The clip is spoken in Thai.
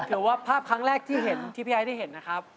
เผื่อว่าภาพครั้งแรกที่พี่ไอ้ได้เห็นนะครับ